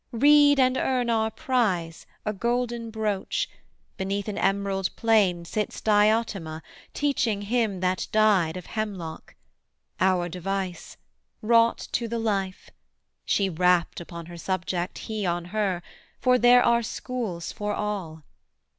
read and earn our prize, A golden brooch: beneath an emerald plane Sits Diotima, teaching him that died Of hemlock; our device; wrought to the life; She rapt upon her subject, he on her: For there are schools for all.'